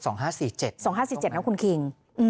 ๒๕๔๗นะคุณคริ่ง